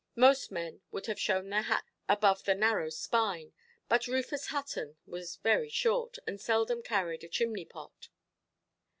Most men would have shown their hats above the narrow spine, but Rufus Hutton was very short, and seldom carried a chimney–pot.